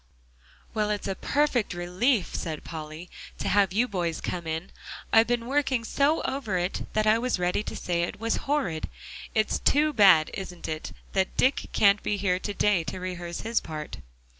"Well, it's a perfect relief," said Polly, "to have you boys come in. I've been working so over it that I was ready to say it was horrid. It's too bad, isn't it, that Dick can't be here to day to rehearse his part?"